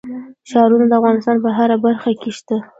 ښارونه د افغانستان په هره برخه کې شته.